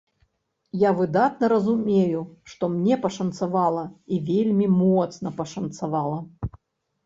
Я выдатна разумею, што мне пашанцавала, і вельмі моцна пашанцавала.